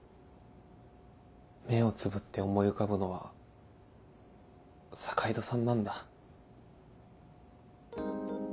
目をつぶって思い浮かぶのは坂井戸さんなんだ。